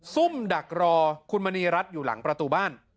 ซุ่มดักรอคุณมณีรัฐอยู่หลังประตูบ้าน